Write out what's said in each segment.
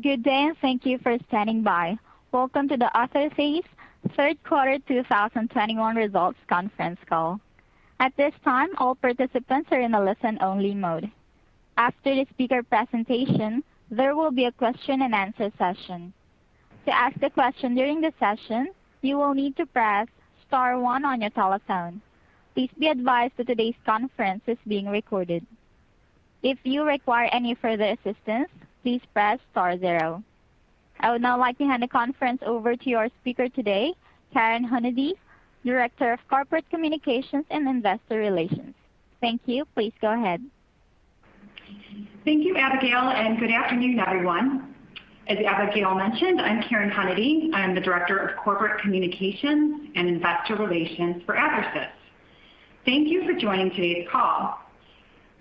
Good day, and thank you for standing by. Welcome to the Athersys third quarter 2021 results conference call. At this time, all participants are in a listen-only mode. After the speaker presentation, there will be a question-and-answer session. To ask a question during the session, you will need to press star one on your telephone. Please be advised that today's conference is being recorded. If you require any further assistance, please press star zero. I would now like to hand the conference over to your speaker today, Karen Hunady, Director of Corporate Communications and Investor Relations. Thank you. Please go ahead. Thank you, Abigail, and good afternoon, everyone. As Abigail mentioned, I'm Karen Hunady. I'm the Director of Corporate Communications and Investor Relations for Athersys. Thank you for joining today's call.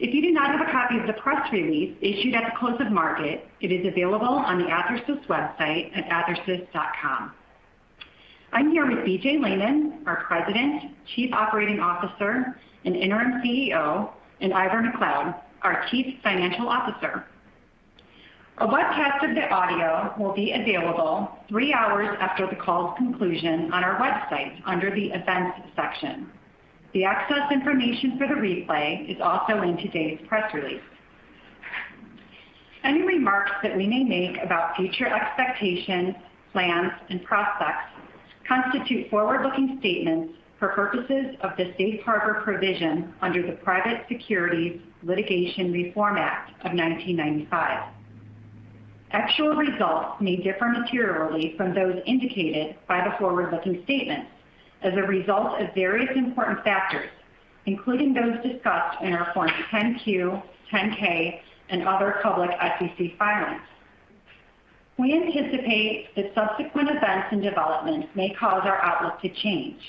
If you do not have a copy of the press release issued at the close of market, it is available on the Athersys website at athersys.com. I'm here with BJ Lehmann, our President, Chief Operating Officer and Interim CEO, and Ivor Macleod, our Chief Financial Officer. A webcast of the audio will be available three hours after the call's conclusion on our website under the Events section. The access information for the replay is also in today's press release. Any remarks that we may make about future expectations, plans and prospects constitute forward-looking statements for purposes of the safe harbor provision under the Private Securities Litigation Reform Act of 1995. Actual results may differ materially from those indicated by the forward-looking statements as a result of various important factors, including those discussed in our forms 10-Q, 10-K and other public SEC filings. We anticipate that subsequent events and developments may cause our outlook to change.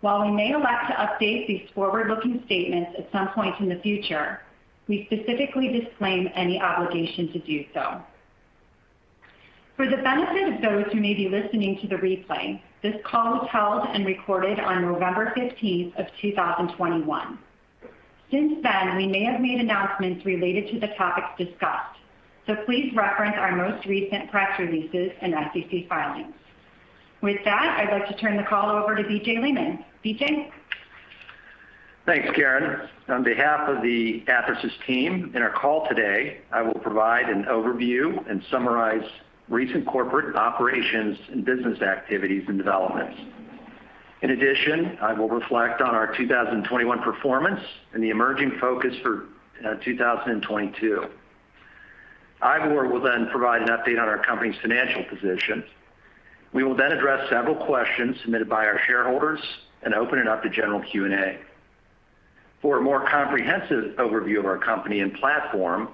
While we may elect to update these forward-looking statements at some point in the future, we specifically disclaim any obligation to do so. For the benefit of those who may be listening to the replay, this call was held and recorded on November 15th, 2021. Since then, we may have made announcements related to the topics discussed, so please reference our most recent press releases and SEC filings. With that, I'd like to turn the call over to BJ Lehmann. BJ. Thanks, Karen. On behalf of the Athersys team in our call today, I will provide an overview and summarize recent corporate operations and business activities and developments. In addition, I will reflect on our 2021 performance and the emerging focus for 2022. Ivor will then provide an update on our company's financial position. We will then address several questions submitted by our shareholders and open it up to general Q&A. For a more comprehensive overview of our company and platform,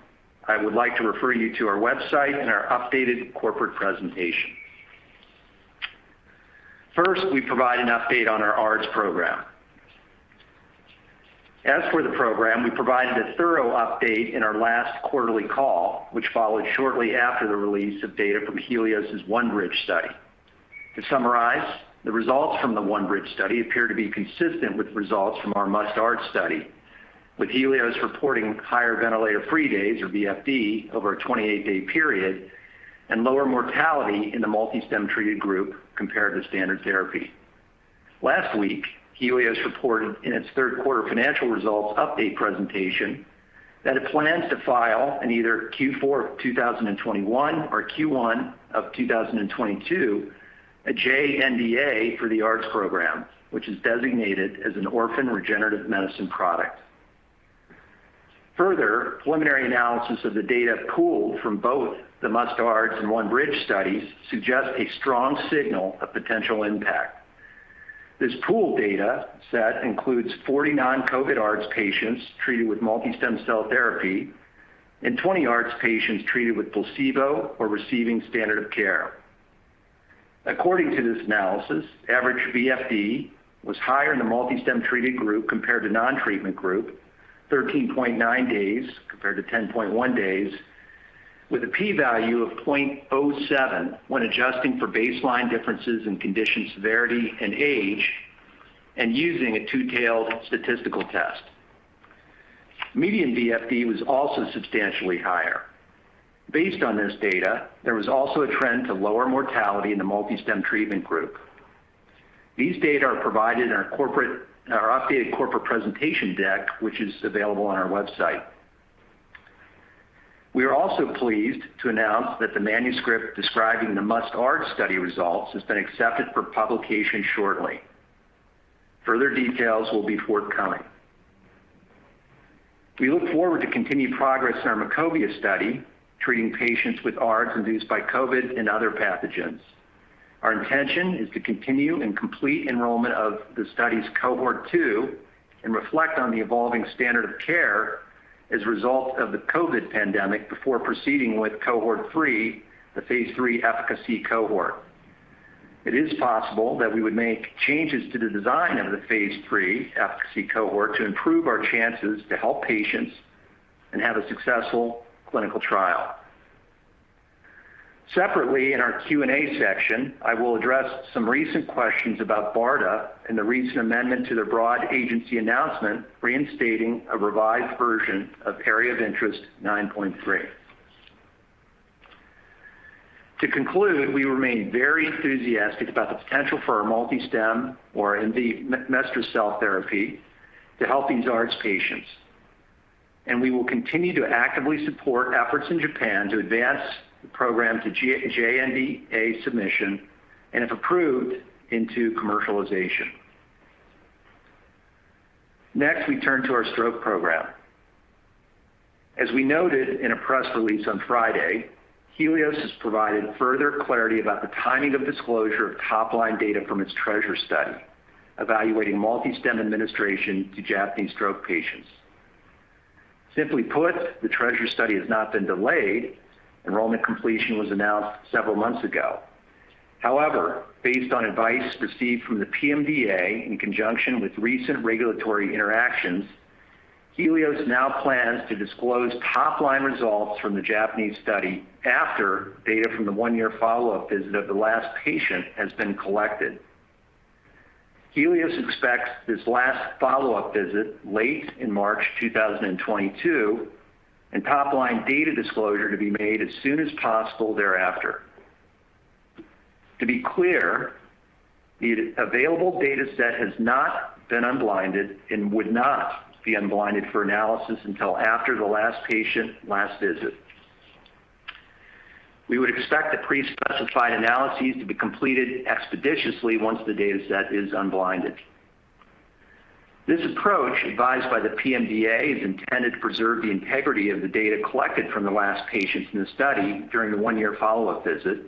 I would like to refer you to our website and our updated corporate presentation. First, we provide an update on our ARDS program. As for the program, we provided a thorough update in our last quarterly call, which followed shortly after the release of data from Healios' ONE-BRIDGE study. To summarize, the results from the ONE-BRIDGE study appear to be consistent with results from our MUST-ARDS study, with Healios reporting higher ventilator-free days, or VFD, over a 28-day period and lower mortality in the MultiStem treated group compared to standard therapy. Last week, Healios reported in its third quarter financial results update presentation that it plans to file in either Q4 of 2021 or Q1 of 2022 a JNDA for the ARDS program, which is designated as an orphan regenerative medicine product. Further, preliminary analysis of the data pooled from both the MUST-ARDS and ONE-BRIDGE studies suggest a strong signal of potential impact. This pooled data set includes 40 non-COVID ARDS patients treated with MultiStem cell therapy and 20 ARDS patients treated with placebo or receiving standard of care. According to this analysis, average VFD was higher in the MultiStem treated group compared to non-treatment group, 13.9 days compared to 10.1 days, with a P value of 0.07 when adjusting for baseline differences in condition severity and age and using a two-tailed statistical test. Median VFD was also substantially higher. Based on this data, there was also a trend to lower mortality in the MultiStem treatment group. These data are provided in our updated corporate presentation deck, which is available on our website. We are also pleased to announce that the manuscript describing the MUST-ARDS study results has been accepted for publication shortly. Further details will be forthcoming. We look forward to continued progress in our MACOVIA study, treating patients with ARDS induced by COVID and other pathogens. Our intention is to continue and complete enrollment of the study's cohort two and reflect on the evolving standard of care as a result of the COVID pandemic before proceeding with cohort three, the phase III efficacy cohort. It is possible that we would make changes to the design of the phase III efficacy cohort to improve our chances to help patients and have a successful clinical trial. Separately, in our Q&A section, I will address some recent questions about BARDA and the recent amendment to their Broad Agency Announcement reinstating a revised version of Area of Interest 9.3. To conclude, we remain very enthusiastic about the potential for our MultiStem or in the Mesenchymal therapy to help these ARDS patients. We will continue to actively support efforts in Japan to advance the program to JNDA submission and, if approved, into commercialization. Next, we turn to our stroke program. As we noted in a press release on Friday, Healios has provided further clarity about the timing of disclosure of top-line data from its TREASURE study evaluating MultiStem administration to Japanese stroke patients. Simply put, the TREASURE study has not been delayed. Enrollment completion was announced several months ago. However, based on advice received from the PMDA in conjunction with recent regulatory interactions, Healios now plans to disclose top-line results from the Japanese study after data from the one-year follow-up visit of the last patient has been collected. Healios expects this last follow-up visit late in March 2022 and top-line data disclosure to be made as soon as possible thereafter. To be clear, the available data set has not been unblinded and would not be unblinded for analysis until after the last patient last visit. We would expect the pre-specified analyses to be completed expeditiously once the data set is unblinded. This approach, advised by the PMDA, is intended to preserve the integrity of the data collected from the last patients in the study during the one-year follow-up visit.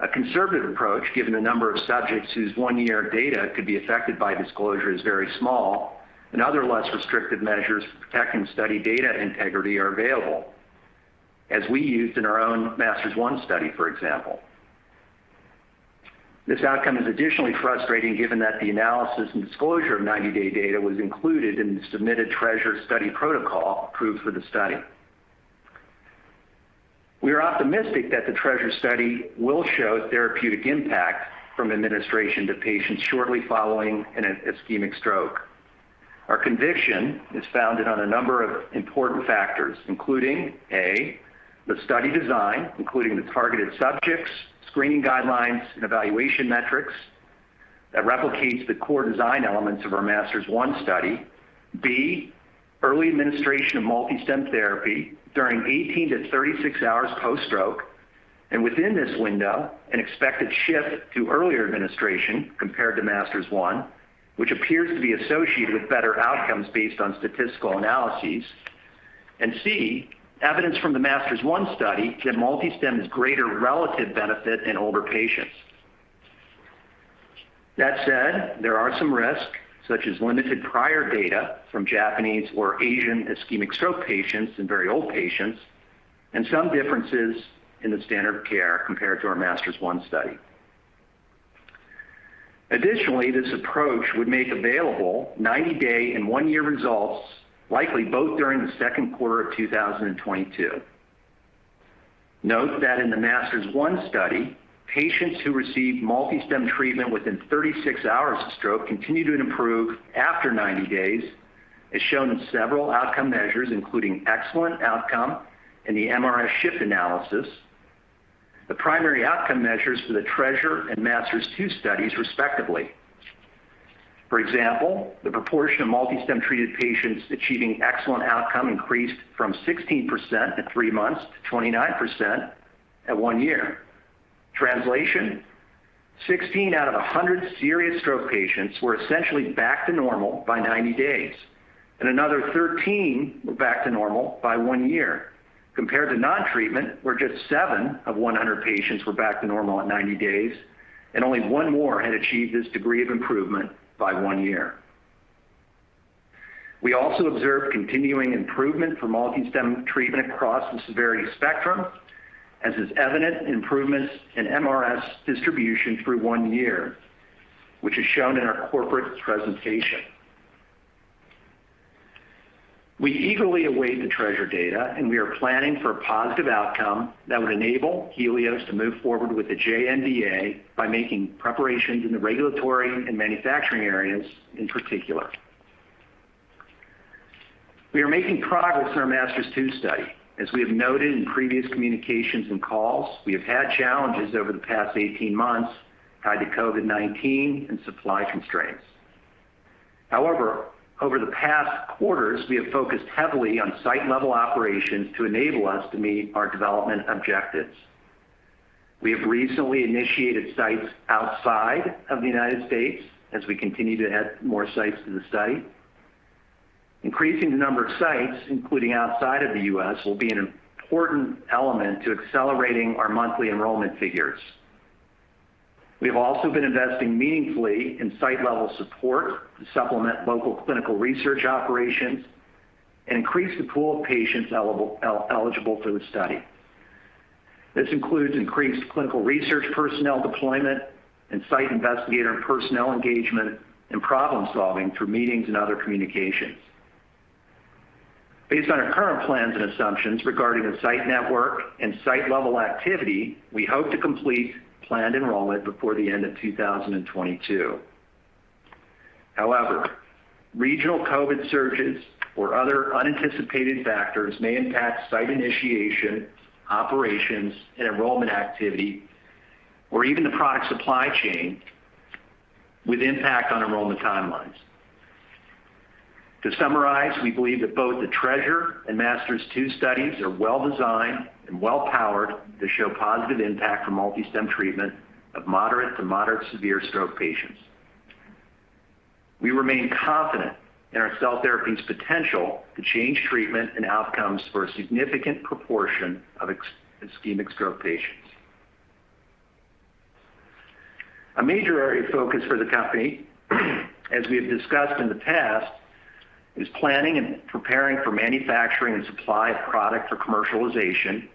A conservative approach, given the number of subjects whose one-year data could be affected by disclosure, is very small, and other less restrictive measures to protect and study data integrity are available, as we used in our own MASTERS-1 study, for example. This outcome is additionally frustrating given that the analysis and disclosure of ninety-day data was included in the submitted TREASURE study protocol approved for the study. We are optimistic that the TREASURE study will show therapeutic impact from administration to patients shortly following an ischemic stroke. Our conviction is founded on a number of important factors, including, A, the study design, including the targeted subjects, screening guidelines, and evaluation metrics that replicates the core design elements of our MASTERS-1 study. B, early administration of MultiStem therapy during 18-36 hours post-stroke. Within this window, an expected shift to earlier administration compared to MASTERS-1, which appears to be associated with better outcomes based on statistical analyses. C, evidence from the MASTERS-1 study that MultiStem has greater relative benefit in older patients. That said, there are some risks, such as limited prior data from Japanese or Asian ischemic stroke patients and very old patients, and some differences in the standard of care compared to our MASTERS-1 study. Additionally, this approach would make available 90-day and 1-year results, likely both during the second quarter of 2022. Note that in the MASTERS-1 study, patients who received MultiStem treatment within 36 hours of stroke continued to improve after 90 days, as shown in several outcome measures, including excellent outcome in the MRS shift analysis, the primary outcome measures for the TREASURE and MASTERS-2 studies, respectively. For example, the proportion of MultiStem-treated patients achieving excellent outcome increased from 16% at three months to 29% at one year. Translation: 16 out of 100 serious stroke patients were essentially back to normal by 90 days, and another 13 were back to normal by one year compared to non-treatment, where just seven of 100 patients were back to normal at 90 days and only one more had achieved this degree of improvement by one year. We also observed continuing improvement for MultiStem treatment across the severity spectrum, as is evident in improvements in MRS distribution through one year, which is shown in our corporate presentation. We eagerly await the TREASURE data, and we are planning for a positive outcome that would enable Healios to move forward with the JNDA by making preparations in the regulatory and manufacturing areas in particular. We are making progress on our MASTERS-2 study. As we have noted in previous communications and calls, we have had challenges over the past 18 months tied to COVID-19 and supply constraints. However, over the past quarters, we have focused heavily on site-level operations to enable us to meet our development objectives. We have recently initiated sites outside of the United States as we continue to add more sites to the study. Increasing the number of sites, including outside of the U.S., will be an important element to accelerating our monthly enrollment figures. We have also been investing meaningfully in site-level support to supplement local clinical research operations and increase the pool of patients eligible for the study. This includes increased clinical research personnel deployment and site investigator and personnel engagement and problem-solving through meetings and other communications. Based on our current plans and assumptions regarding the site network and site level activity, we hope to complete planned enrollment before the end of 2022. However, regional COVID surges or other unanticipated factors may impact site initiation, operations, and enrollment activity, or even the product supply chain with impact on enrollment timelines. To summarize, we believe that both the TREASURE and MASTERS-2 studies are well-designed and well-powered to show positive impact for MultiStem treatment of moderate to moderate severe stroke patients. We remain confident in our cell therapy's potential to change treatment and outcomes for a significant proportion of ischemic stroke patients. A major area of focus for the company, as we have discussed in the past, is planning and preparing for manufacturing and supply of product for commercialization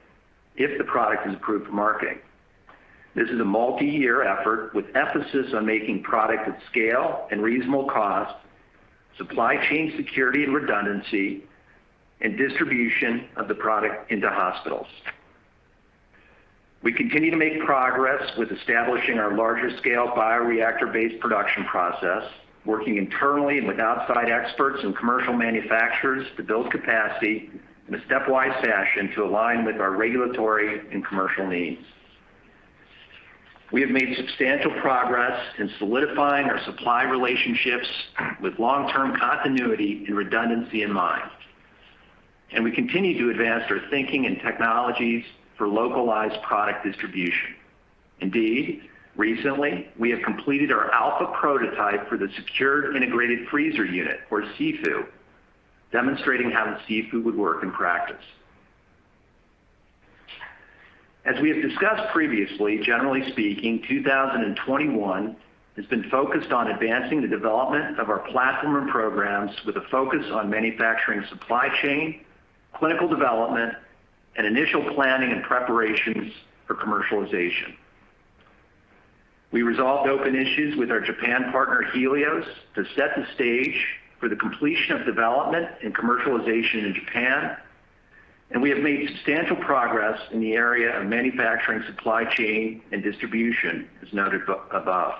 if the product is approved for marketing. This is a multi-year effort with emphasis on making product at scale and reasonable cost, supply chain security and redundancy, and distribution of the product into hospitals. We continue to make progress with establishing our larger scale bioreactor-based production process, working internally and with outside experts and commercial manufacturers to build capacity in a stepwise fashion to align with our regulatory and commercial needs. We have made substantial progress in solidifying our supply relationships with long-term continuity and redundancy in mind. We continue to advance our thinking and technologies for localized product distribution. Indeed, recently, we have completed our alpha prototype for the Secure Integrated Freezer Unit or SIFU, demonstrating how the SIFU would work in practice. As we have discussed previously, generally speaking, 2021 has been focused on advancing the development of our platform and programs with a focus on manufacturing supply chain, clinical development, and initial planning and preparations for commercialization. We resolved open issues with our Japan partner, Healios, to set the stage for the completion of development and commercialization in Japan, and we have made substantial progress in the area of manufacturing supply chain and distribution, as noted above.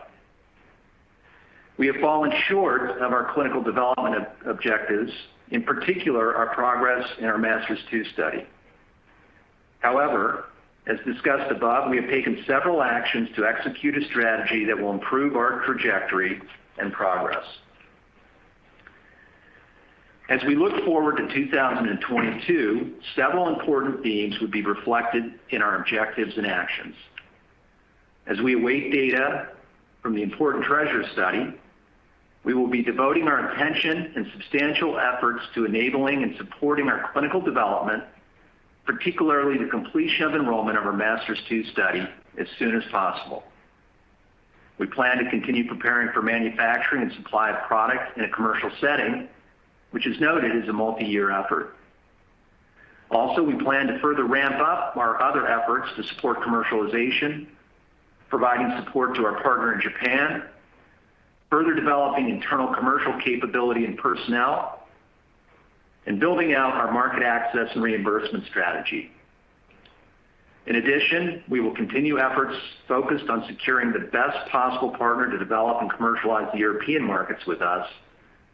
We have fallen short of our clinical development objectives, in particular, our progress in our MASTERS-2 study. However, as discussed above, we have taken several actions to execute a strategy that will improve our trajectory and progress. As we look forward to 2022, several important themes would be reflected in our objectives and actions. As we await data from the important TREASURE study, we will be devoting our attention and substantial efforts to enabling and supporting our clinical development, particularly the completion of enrollment of our MASTERS-2 study as soon as possible. We plan to continue preparing for manufacturing and supply of product in a commercial setting, which is noted as a multi-year effort. Also, we plan to further ramp up our other efforts to support commercialization, providing support to our partner in Japan, further developing internal commercial capability and personnel, and building out our market access and reimbursement strategy. In addition, we will continue efforts focused on securing the best possible partner to develop and commercialize the European markets with us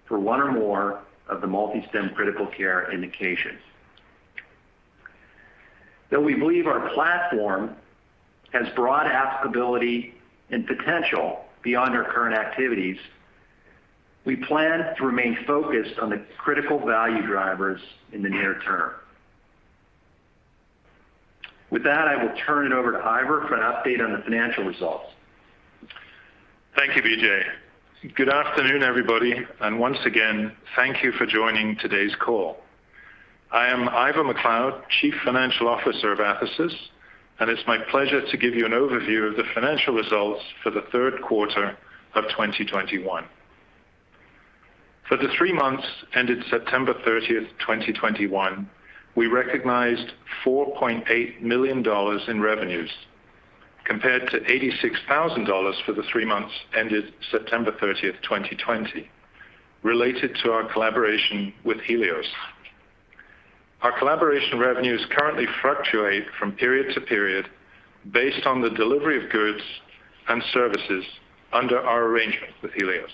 for one or more of the MultiStem critical care indications. Though we believe our platform has broad applicability and potential beyond our current activities, we plan to remain focused on the critical value drivers in the near term. With that, I will turn it over to Ivor for an update on the financial results. Thank you, BJ. Good afternoon, everybody, and once again, thank you for joining today's call. I am Ivor Macleod, Chief Financial Officer of Athersys, and it's my pleasure to give you an overview of the financial results for the third quarter of 2021. For the three months ended September 30th, 2021, we recognized $4.8 million in revenues compared to $86,000 for the three months ended September 30th, 2020, related to our collaboration with Healios. Our collaboration revenues currently fluctuate from period to period based on the delivery of goods and services under our arrangement with Healios.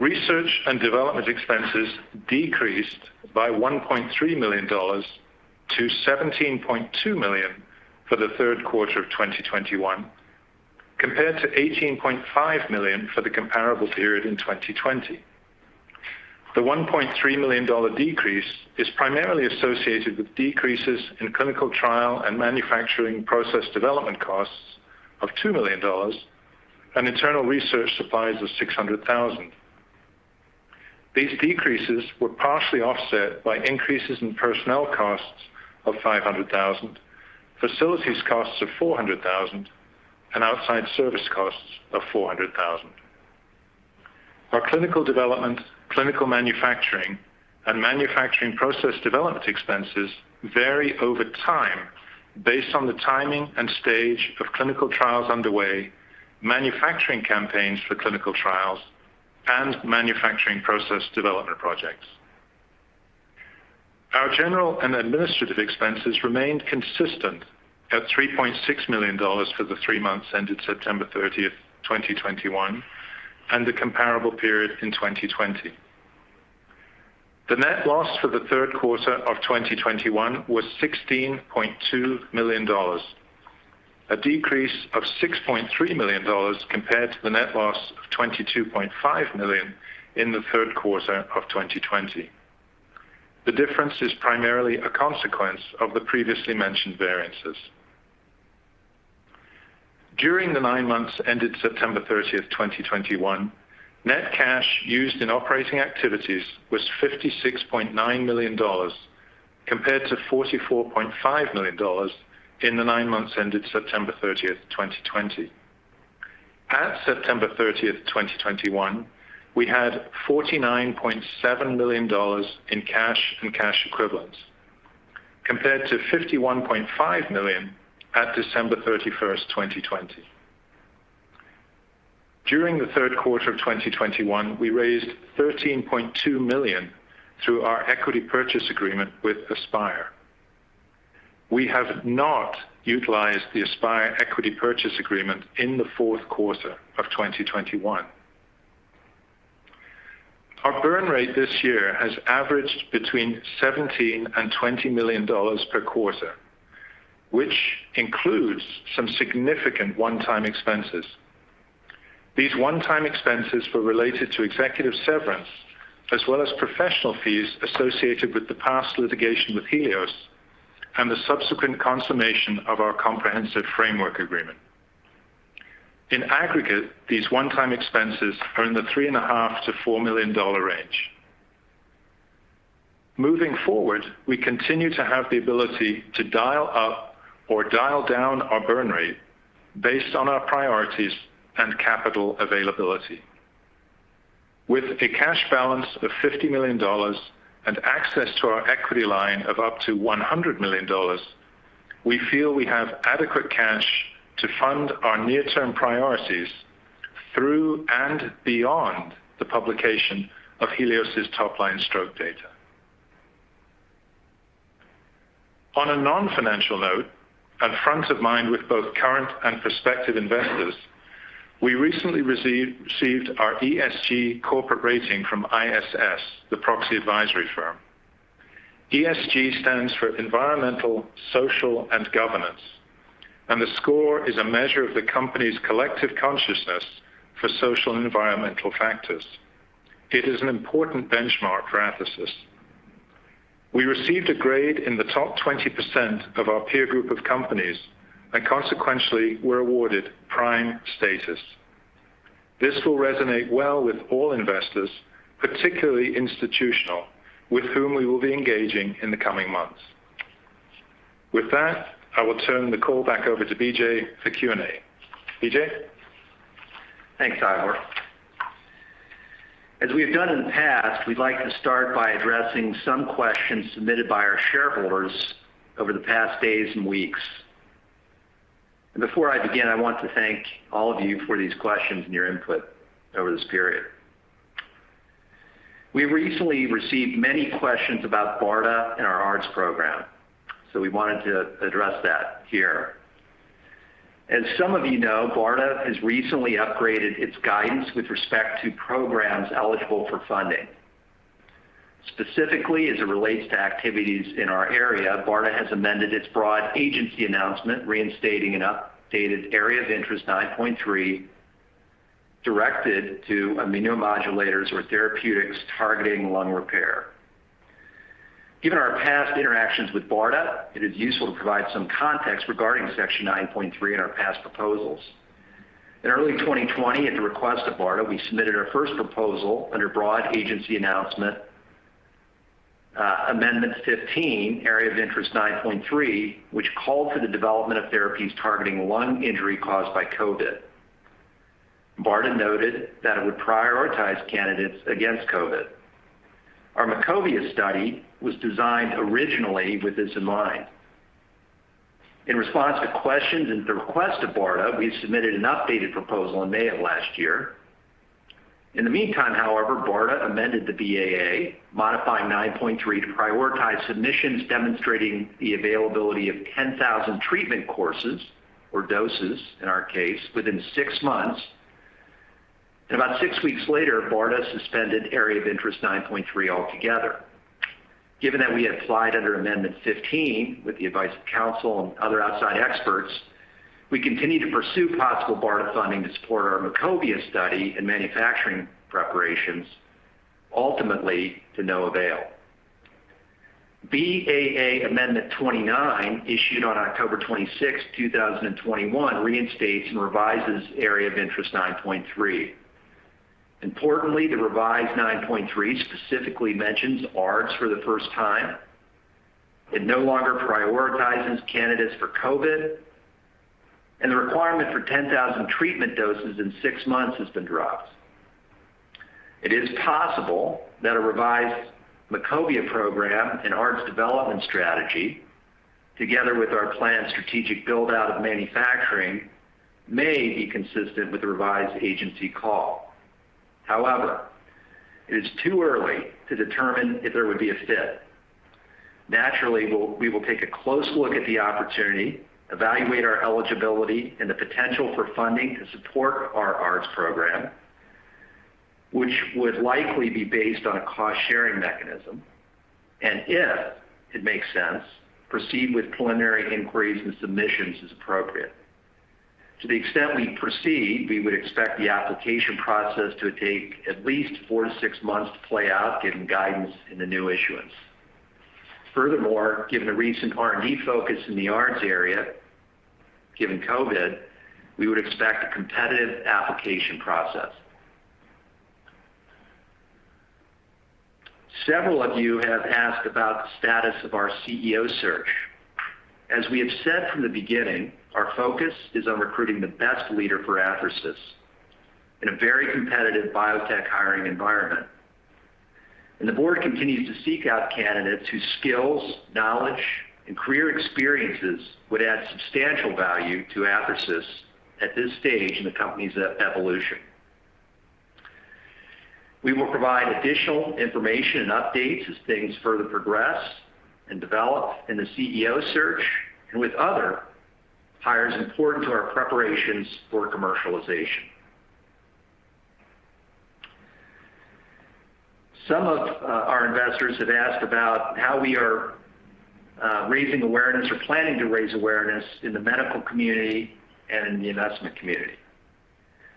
Research and development expenses decreased by $1.3 million to $17.2 million for the third quarter of 2021, compared to $18.5 million for the comparable period in 2020. The $1.3 million decrease is primarily associated with decreases in clinical trial and manufacturing process development costs of $2 million and internal research supplies of $600,000. These decreases were partially offset by increases in personnel costs of $500,000, facilities costs of $400,000, and outside service costs of $400,000. Our clinical development, clinical manufacturing, and manufacturing process development expenses vary over time based on the timing and stage of clinical trials underway. Manufacturing campaigns for clinical trials and manufacturing process development projects. Our general and administrative expenses remained consistent at $3.6 million for the three months ended September 30th, 2021, and the comparable period in 2020. The net loss for the third quarter of 2021 was $16.2 million, a decrease of $6.3 million compared to the net loss of $22.5 million in the third quarter of 2020. The difference is primarily a consequence of the previously mentioned variances. During the nine months ended September 30th, 2021, net cash used in operating activities was $56.9 million compared to $44.5 million in the nine months ended September 30th, 2020. At September 30th, 2021, we had $49.7 million in cash and cash equivalents compared to $51.5 million at December 31st, 2020. During the third quarter of 2021, we raised $13.2 million through our equity purchase agreement with Aspire. We have not utilized the Aspire equity purchase agreement in the fourth quarter of 2021. Our burn rate this year has averaged between $17 million and $20 million per quarter, which includes some significant one-time expenses. These one-time expenses were related to executive severance as well as professional fees associated with the past litigation with Healios and the subsequent consummation of our comprehensive framework agreement. In aggregate, these one-time expenses are in the $3.5 million-$4 million range. Moving forward, we continue to have the ability to dial up or dial down our burn rate based on our priorities and capital availability. With a cash balance of $50 million and access to our equity line of up to $100 million, we feel we have adequate cash to fund our near-term priorities through and beyond the publication of Healios's top-line stroke data. On a non-financial note, at front of mind with both current and prospective investors, we recently received our ESG corporate rating from ISS, the proxy advisory firm. ESG stands for Environmental, Social, and Governance, and the score is a measure of the company's collective consciousness for social and environmental factors. It is an important benchmark for Athersys. We received a grade in the top 20% of our peer group of companies and consequently were awarded prime status. This will resonate well with all investors, particularly institutional, with whom we will be engaging in the coming months. With that, I will turn the call back over to BJ for Q&A. BJ? Thanks, Ivor. As we have done in the past, we'd like to start by addressing some questions submitted by our shareholders over the past days and weeks. Before I begin, I want to thank all of you for these questions and your input over this period. We recently received many questions about BARDA and our ARDS program, so we wanted to address that here. As some of you know, BARDA has recently upgraded its guidance with respect to programs eligible for funding. Specifically, as it relates to activities in our area, BARDA has amended its Broad Agency Announcement, reinstating an updated Area of Interest 9.3 directed to immunomodulators or therapeutics targeting lung repair. Given our past interactions with BARDA, it is useful to provide some context regarding section 9.3 in our past proposals. In early 2020, at the request of BARDA, we submitted our first proposal under Broad Agency Announcement amendments 15, Area of Interest 9.3, which called for the development of therapies targeting lung injury caused by COVID. BARDA noted that it would prioritize candidates against COVID. Our MACOVIA study was designed originally with this in mind. In response to questions and at the request of BARDA, we submitted an updated proposal in May of last year. In the meantime, however, BARDA amended the BAA, modifying 9.3 to prioritize submissions demonstrating the availability of 10,000 treatment courses or doses, in our case, within six months. About six weeks later, BARDA suspended Area of Interest 9.3 altogether. Given that we applied under amendment 15 with the advice of counsel and other outside experts, we continued to pursue possible BARDA funding to support our MACOVIA study and manufacturing preparations, ultimately to no avail. BAA Amendment 29, issued on October 26th, 2021, reinstates and revises Area of Interest 9.3. Importantly, the revised 9.3 specifically mentions ARDS for the first time. It no longer prioritizes candidates for COVID, and the requirement for 10,000 treatment doses in 6 months has been dropped. It is possible that a revised MACOVIA program and ARDS development strategy, together with our planned strategic build out of manufacturing, may be consistent with the revised agency call. However, it is too early to determine if there would be a fit. Naturally, we will take a close look at the opportunity, evaluate our eligibility and the potential for funding to support our ARDS program, which would likely be based on a cost-sharing mechanism. If it makes sense, proceed with preliminary inquiries and submissions as appropriate. To the extent we proceed, we would expect the application process to take at least four to six months to play out given guidance in the new issuance. Furthermore, given the recent R&D focus in the ARDS area, given COVID, we would expect a competitive application process. Several of you have asked about the status of our CEO search. As we have said from the beginning, our focus is on recruiting the best leader for Athersys in a very competitive biotech hiring environment. The board continues to seek out candidates whose skills, knowledge, and career experiences would add substantial value to Athersys at this stage in the company's evolution. We will provide additional information and updates as things further progress and develop in the CEO search and with other hires important to our preparations for commercialization. Some of our investors have asked about how we are raising awareness or planning to raise awareness in the medical community and in the investment community.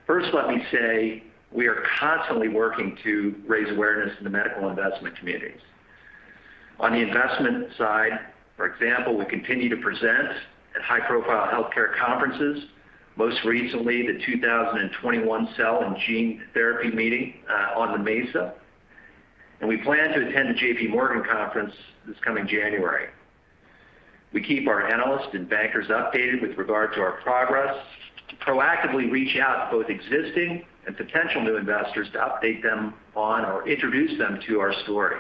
First, let me say we are constantly working to raise awareness in the medical investment communities. On the investment side, for example, we continue to present at high-profile healthcare conferences, most recently the 2021 Cell & Gene Meeting on the Mesa, and we plan to attend the JPMorgan conference this coming January. We keep our analysts and bankers updated with regard to our progress to proactively reach out to both existing and potential new investors to update them on or introduce them to our story.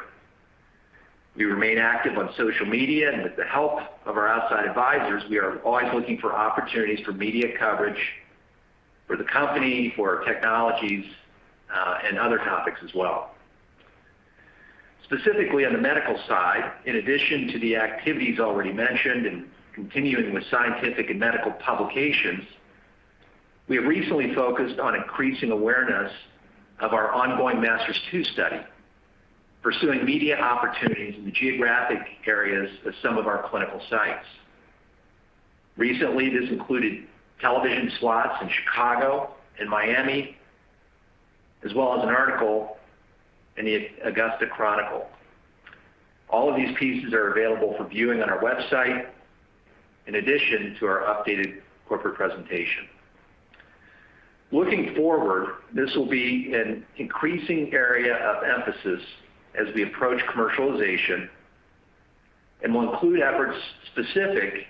We remain active on social media, and with the help of our outside advisors, we are always looking for opportunities for media coverage for the company, for our technologies, and other topics as well. Specifically on the medical side, in addition to the activities already mentioned and continuing with scientific and medical publications, we have recently focused on increasing awareness of our ongoing MASTERS-2 study, pursuing media opportunities in the geographic areas of some of our clinical sites. Recently, this included television slots in Chicago and Miami, as well as an article in the Augusta Chronicle. All of these pieces are available for viewing on our website in addition to our updated corporate presentation. Looking forward, this will be an increasing area of emphasis as we approach commercialization and will include efforts specific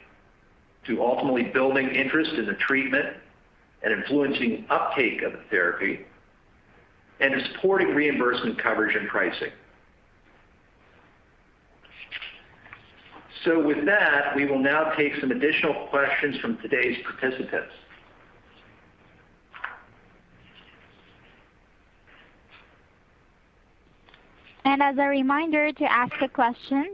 to ultimately building interest in the treatment and influencing uptake of the therapy and supporting reimbursement coverage and pricing. With that, we will now take some additional questions from today's participants. Our first question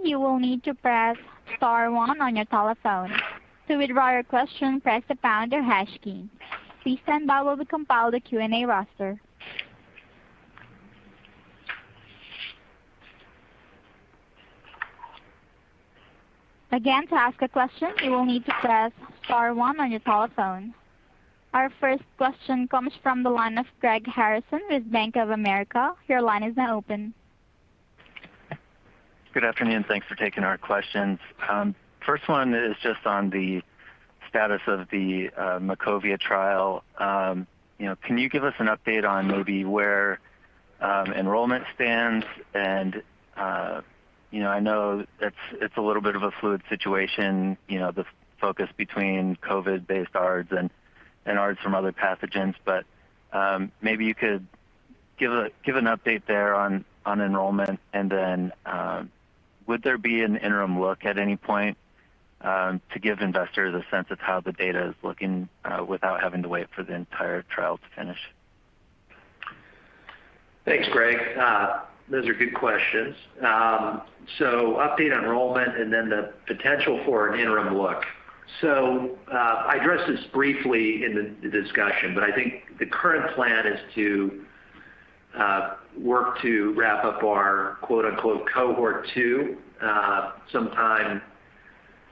comes from the line of Greg Harrison with Bank of America. Your line is now open. Good afternoon. Thanks for taking our questions. First one is just on the status of the MACOVIA trial. You know, can you give us an update on maybe where enrollment stands? And you know, I know it's a little bit of a fluid situation, you know, the focus between COVID-based ARDS and ARDS from other pathogens, but maybe you could give an update there on enrollment. And then, would there be an interim look at any point to give investors a sense of how the data is looking without having to wait for the entire trial to finish? Thanks, Greg. Those are good questions. Update on enrollment and then the potential for an interim look. I addressed this briefly in the discussion, but I think the current plan is to work to wrap up our quote-unquote Cohort Two sometime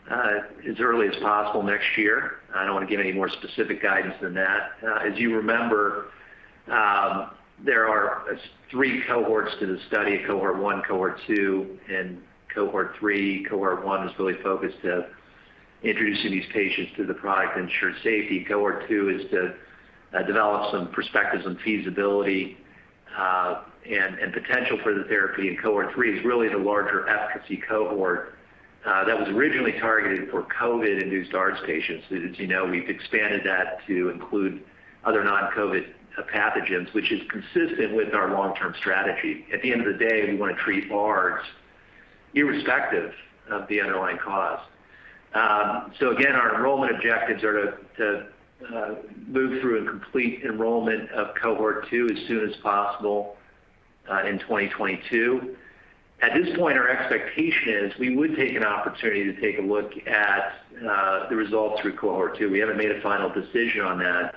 as early as possible next year. I don't wanna give any more specific guidance than that. As you remember, there are three cohorts to the study, Cohort One, Cohort Two, and Cohort Three. Cohort One is really focused on introducing these patients to the product to ensure safety. Cohort Two is to develop some perspectives on feasibility and potential for the therapy. Cohort Three is really the larger efficacy cohort that was originally targeted for COVID-induced ARDS patients. As you know, we've expanded that to include other non-COVID pathogens, which is consistent with our long-term strategy. At the end of the day, we wanna treat ARDS irrespective of the underlying cause. Again, our enrollment objectives are to move through a complete enrollment of cohort two as soon as possible in 2022. At this point, our expectation is we would take an opportunity to take a look at the results through cohort two. We haven't made a final decision on that.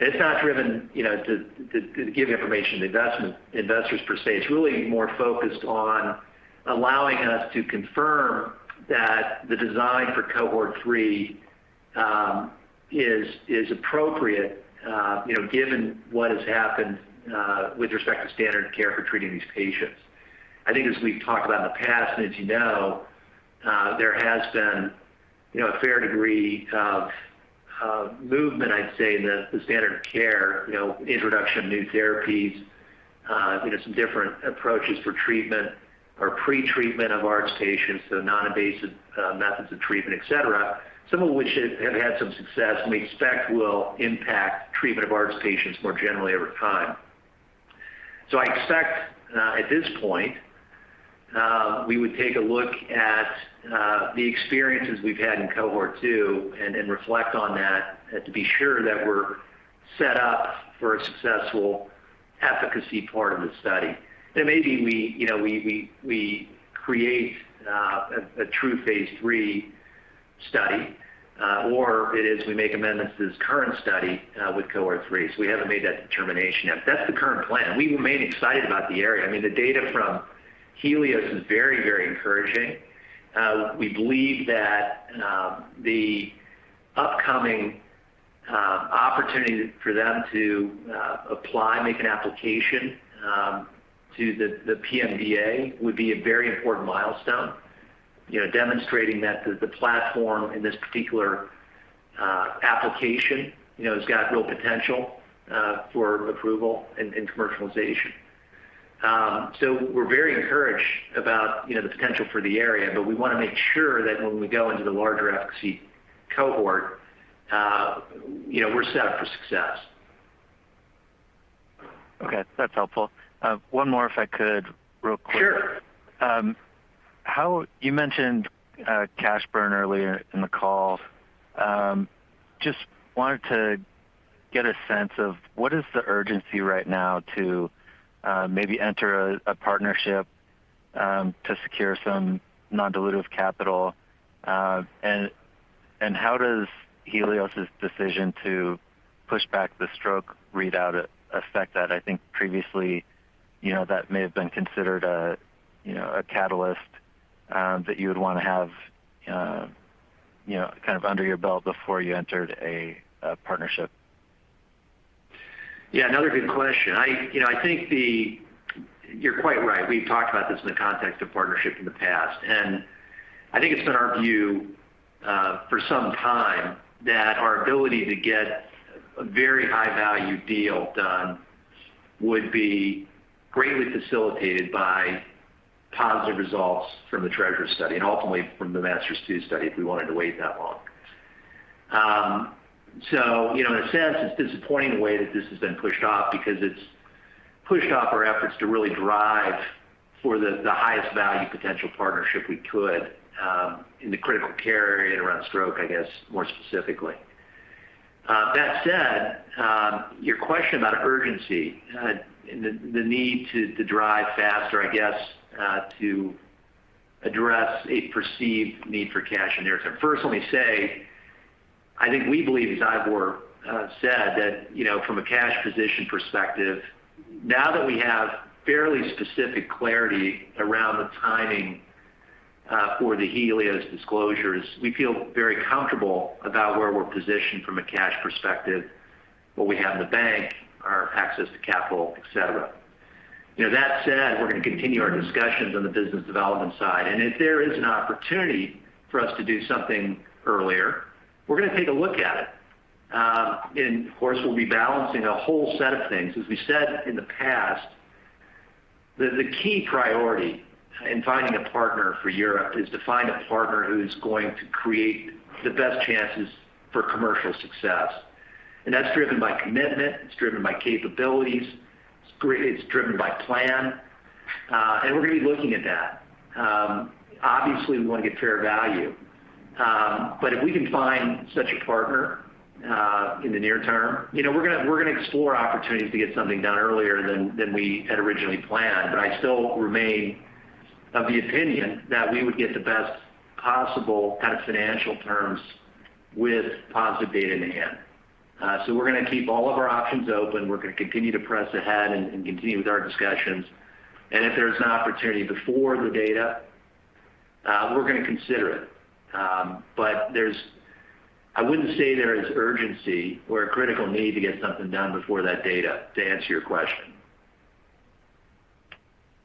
It's not driven, you know, to give information to investors per se. It's really more focused on allowing us to confirm that the design for cohort three is appropriate, you know, given what has happened with respect to standard of care for treating these patients. I think as we've talked about in the past, and as you know, there has been, you know, a fair degree of movement, I'd say, in the standard of care. You know, introduction of new therapies, you know, some different approaches for treatment or pretreatment of ARDS patients. Non-invasive methods of treatment, et cetera, some of which have had some success and we expect will impact treatment of ARDS patients more generally over time. I expect, at this point, we would take a look at the experiences we've had in cohort two and reflect on that, to be sure that we're set up for a successful efficacy part of the study. Maybe we, you know, we create a true phase III study, or it is we make amendments to this current study with cohort three. We haven't made that determination yet. That's the current plan. We remain excited about the area. I mean, the data from Healios is very, very encouraging. We believe that the upcoming opportunity for them to make an application to the PMDA would be a very important milestone. You know, demonstrating that the platform in this particular application, you know, has got real potential for approval and commercialization. We're very encouraged about, you know, the potential for the area, but we wanna make sure that when we go into the larger efficacy cohort, you know, we're set up for success. Okay, that's helpful. One more if I could real quick. Sure. You mentioned cash burn earlier in the call. Just wanted to get a sense of what is the urgency right now to maybe enter a partnership to secure some non-dilutive capital? And how does Healios' decision to push back the stroke readout affect that? I think previously, you know, that may have been considered a catalyst that you would wanna have under your belt before you entered a partnership. Yeah, another good question. You know, I think you're quite right. We've talked about this in the context of partnership in the past, and I think it's been our view for some time that our ability to get a very high value deal done would be greatly facilitated by positive results from the TREASURE study and ultimately from the MASTERS-2 study if we wanted to wait that long. You know, in a sense, it's disappointing the way that this has been pushed off because it's pushed off our efforts to really drive for the highest value potential partnership we could in the critical care area and around stroke, I guess, more specifically. That said, your question about urgency and the need to drive faster, I guess, to address a perceived need for cash in the near term. First, let me say, I think we believe, as I've said, that, you know, from a cash position perspective, now that we have fairly specific clarity around the timing for the Healios disclosures, we feel very comfortable about where we're positioned from a cash perspective, what we have in the bank, our access to capital, et cetera. You know, that said, we're gonna continue our discussions on the business development side, and if there is an opportunity for us to do something earlier, we're gonna take a look at it. And of course, we'll be balancing a whole set of things. As we said in the past, the key priority in finding a partner for Europe is to find a partner who's going to create the best chances for commercial success. That's driven by commitment, it's driven by capabilities, it's driven by plan, and we're gonna be looking at that. Obviously, we wanna get fair value. If we can find such a partner, in the near term, you know, we're gonna explore opportunities to get something done earlier than we had originally planned. I still remain of the opinion that we would get the best possible kind of financial terms with positive data in hand. We're gonna keep all of our options open. We're gonna continue to press ahead and continue with our discussions. If there's an opportunity before the data, we're gonna consider it. I wouldn't say there is urgency or a critical need to get something done before that data, to answer your question.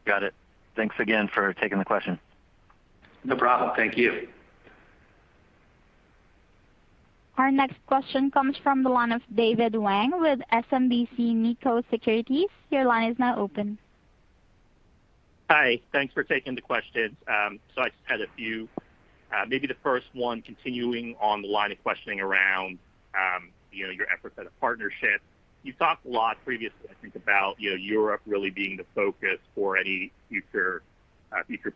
Got it. Thanks again for taking the question. No problem. Thank you. Our next question comes from the line of David Hoang with SMBC Nikko Securities. Your line is now open. Hi. Thanks for taking the questions. So I just had a few. Maybe the first one continuing on the line of questioning around, you know, your efforts at a partnership. You've talked a lot previously, I think, about, you know, Europe really being the focus for any future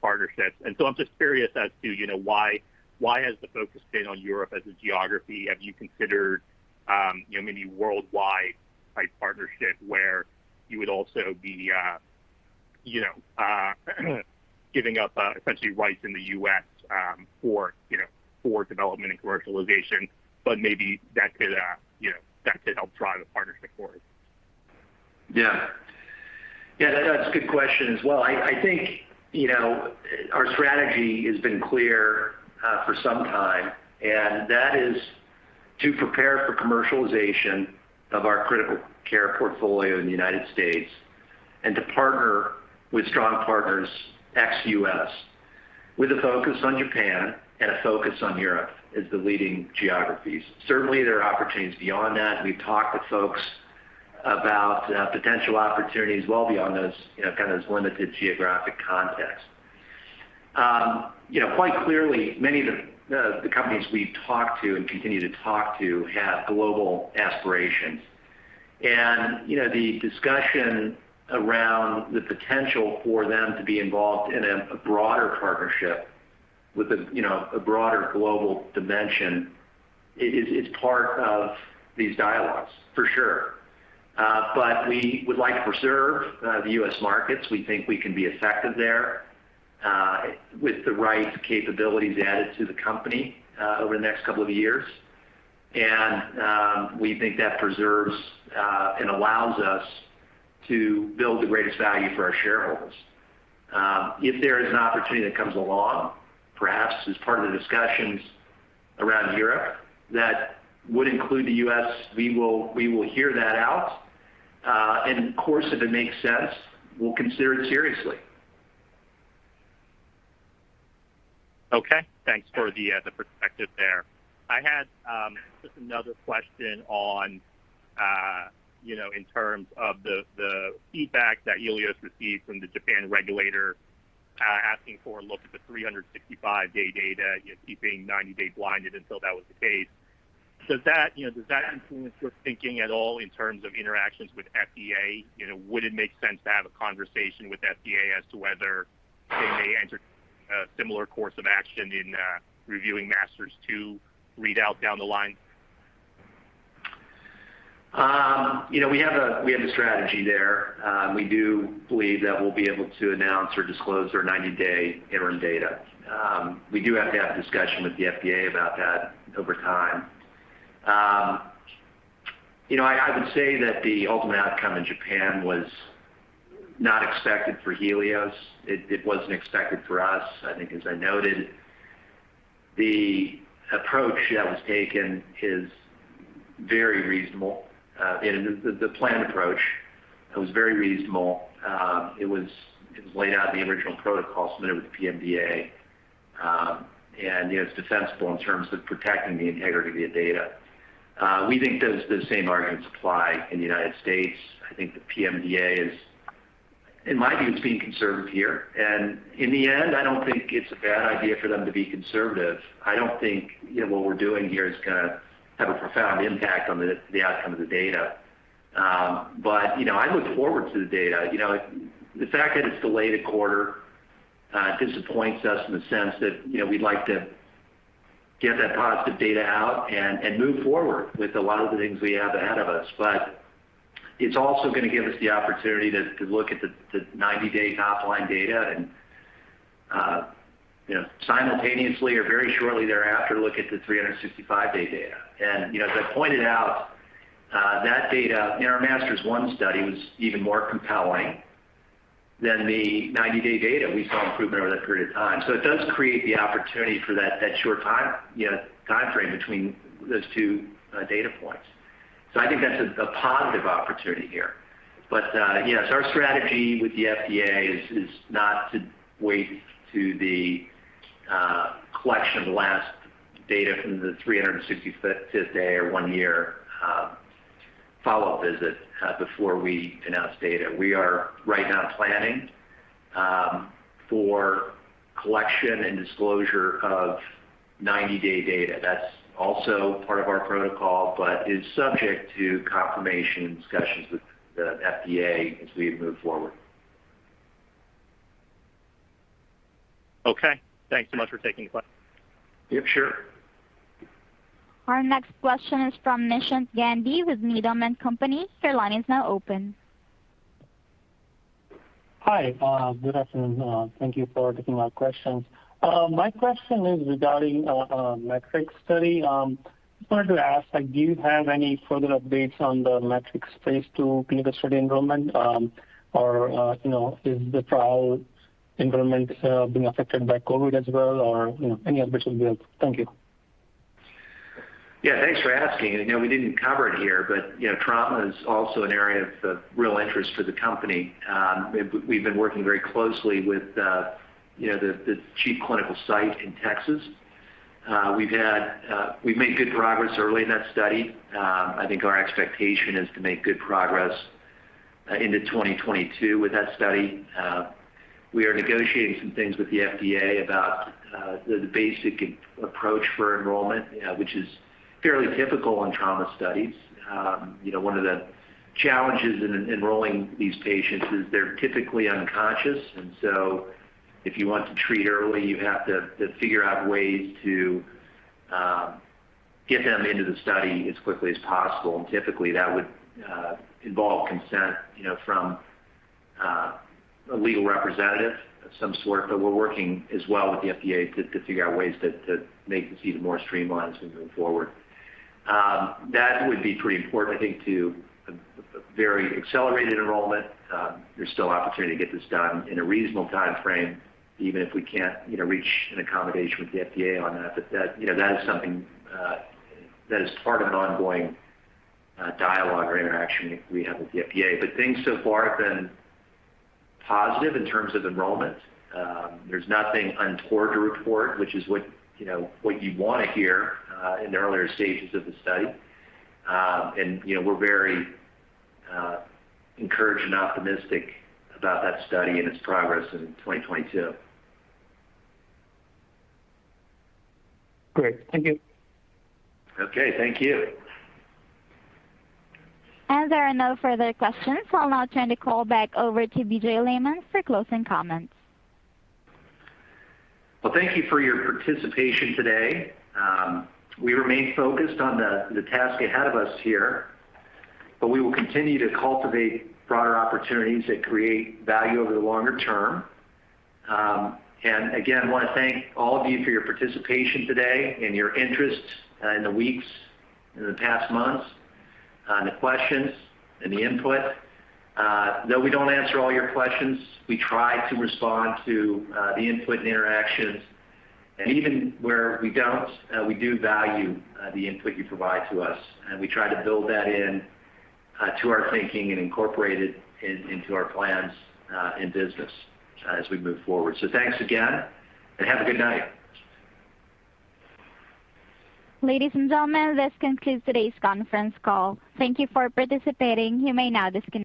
partnerships. I'm just curious as to, you know, why has the focus been on Europe as a geography? Have you considered, you know, maybe worldwide type partnership where you would also be, you know, giving up, essentially rights in the U.S., for, you know, for development and commercialization, but maybe that could, you know, help drive the partnership forward? Yeah. Yeah, that's a good question as well. I think, you know, our strategy has been clear for some time, and that is to prepare for commercialization of our critical care portfolio in the United States and to partner with strong partners ex-U.S., with a focus on Japan and a focus on Europe as the leading geographies. Certainly, there are opportunities beyond that. We've talked with folks about potential opportunities well beyond those, you know, kind of those limited geographic contexts. You know, quite clearly many of the companies we've talked to and continue to talk to have global aspirations. You know, the discussion around the potential for them to be involved in a broader partnership with a broader global dimension is part of these dialogues for sure. We would like to preserve the U.S. markets. We think we can be effective there with the right capabilities added to the company over the next couple of years. We think that preserves and allows us to build the greatest value for our shareholders. If there is an opportunity that comes along, perhaps as part of the discussions around Europe that would include the U.S., we will hear that out. Of course, if it makes sense, we'll consider it seriously. Okay. Thanks for the perspective there. I had just another question on, you know, in terms of the feedback that Healios received from the Japan regulator, asking for a look at the 365-day data, you keeping 90-day blinded until that was the case. Does that, you know, influence your thinking at all in terms of interactions with FDA? You know, would it make sense to have a conversation with FDA as to whether they may enter a similar course of action in reviewing MASTERS-2 readout down the line? You know, we have a strategy there. We do believe that we'll be able to announce or disclose our 90-day interim data. We do have to have a discussion with the FDA about that over time. You know, I would say that the ultimate outcome in Japan was not expected for Healios. It wasn't expected for us. I think as I noted, the approach that was taken is very reasonable. The planned approach was very reasonable. It was laid out in the original protocol submitted with the PMDA. You know, it's defensible in terms of protecting the integrity of data. We think the same arguments apply in the United States. I think the PMDA, in my view, is being conservative here. In the end, I don't think it's a bad idea for them to be conservative. I don't think, you know, what we're doing here is gonna have a profound impact on the outcome of the data. But, you know, I look forward to the data. You know, the fact that it's delayed a quarter disappoints us in the sense that, you know, we'd like to get that positive data out and move forward with a lot of the things we have ahead of us. It's also gonna give us the opportunity to look at the 90-day top line data and, you know, simultaneously or very shortly thereafter, look at the 365-day data. You know, as I pointed out, that data in our MASTERS-1 study was even more compelling than the 90-day data. We saw improvement over that period of time. It does create the opportunity for that short time, you know, timeframe between those two data points. I think that's a positive opportunity here. Yes, our strategy with the FDA is not to wait until the collection of the last data from the 365th day or one year follow-up visit before we announce data. We are right now planning for collection and disclosure of 90-day data. That's also part of our protocol, but is subject to confirmation and discussions with the FDA as we move forward. Okay. Thanks so much for taking the question. Yep, sure. Our next question is from Nishant Gandhi with Needham & Company. Your line is now open. Hi. Good afternoon. Thank you for taking my questions. My question is regarding, MATRICS-1 study. Just wanted to ask, like, do you have any further updates on the MATRICS-1 phase II clinical study enrollment? Or, you know, is the trial enrollment being affected by COVID as well, or, you know, any updates would be helpful. Thank you. Yeah, thanks for asking. You know, we didn't cover it here, but, you know, trauma is also an area of real interest to the company. We've been working very closely with, you know, the chief clinical site in Texas. We've made good progress early in that study. I think our expectation is to make good progress into 2022 with that study. We are negotiating some things with the FDA about the basic approach for enrollment, which is fairly typical in trauma studies. You know, one of the challenges in enrolling these patients is they're typically unconscious. If you want to treat early, you have to figure out ways to get them into the study as quickly as possible. Typically, that would involve consent, you know, from a legal representative of some sort. We're working as well with the FDA to figure out ways to make this even more streamlined as we move forward. That would be pretty important, I think, to a very accelerated enrollment. There's still opportunity to get this done in a reasonable timeframe, even if we can't, you know, reach an accommodation with the FDA on that. That, you know, that is something that is part of an ongoing dialogue or interaction we have with the FDA. Things so far have been positive in terms of enrollment. There's nothing untoward to report, which is what, you know, what you wanna hear in the earlier stages of the study. You know, we're very encouraged and optimistic about that study and its progress in 2022. Great. Thank you. Okay. Thank you. As there are no further questions, I'll now turn the call back over to BJ Lehmann for closing comments. Well, thank you for your participation today. We remain focused on the task ahead of us here, but we will continue to cultivate broader opportunities that create value over the longer term. Again, wanna thank all of you for your participation today and your interest in the past months on the questions and the input. Though we don't answer all your questions, we try to respond to the input and interactions. Even where we don't, we do value the input you provide to us, and we try to build that in to our thinking and incorporate it into our plans and business as we move forward. Thanks again, and have a good night. Ladies and gentlemen, this concludes today's conference call. Thank you for participating. You may now disconnect.